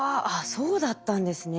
そうだったんですね。